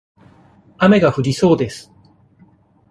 雨が降りそうです。